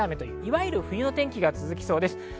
いわゆる冬の天気が続きそうです。